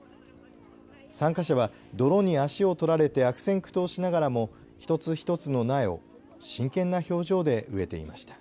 参加者は泥に足を取られて悪戦苦闘しながらも一つ一つの苗を真剣な表情で植えていました。